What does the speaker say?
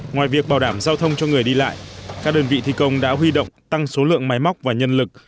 ngoài việc bảo đảm giao thông cho người đi lại các đơn vị thi công đã huy động tăng số lượng máy móc và nhân lực